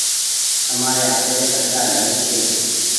تمآري آپيري ڪترآ گهر ڇي۔